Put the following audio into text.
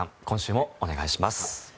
今週もお願いします。